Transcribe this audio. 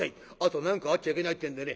「後何かあっちゃいけないってんでね